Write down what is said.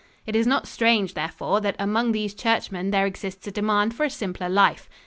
It is not strange, therefore, that among these churchmen there exists a demand for a simpler life.